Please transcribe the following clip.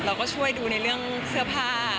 เราก็ช่วยดูในเรื่องเสื้อผ้า